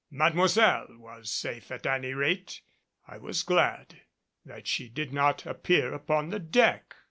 Mademoiselle was safe at any rate. I was glad that she did not appear upon the deck.